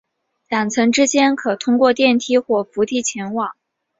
两层之间可通过电梯或扶梯前往。